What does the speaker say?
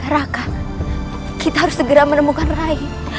raka kita harus segera menemukan rai